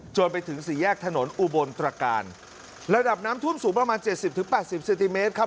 จนไปถึงสี่แยกถนนอุบลตรการระดับน้ำท่วมสูงประมาณ๗๐๘๐เซติเมตรครับ